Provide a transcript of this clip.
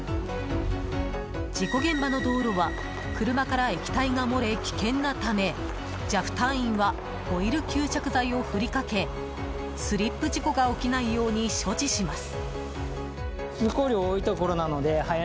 事故現場の道路は車から液体が漏れ危険なためＪＡＦ隊員はオイル吸着剤を振りかけスリップ事故が起きないように処置します。